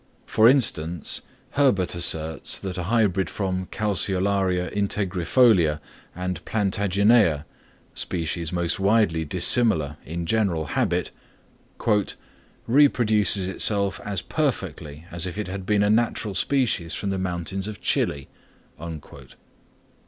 For instance, Herbert asserts that a hybrid from Calceolaria integrifolia and plantaginea, species most widely dissimilar in general habit, "reproduces itself as perfectly as if it had been a natural species from the mountains of Chile."